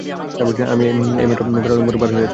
আমি এইমাত্র পেরাম্বলুর পার হয়েছি।